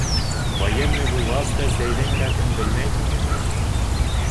Военный булғас та сәйҙең рәтен белмәй тиһеңме?